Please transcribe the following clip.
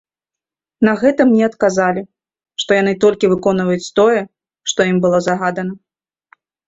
На гэта мне адказалі, што яны толькі выконваюць тое, што ім было загадана.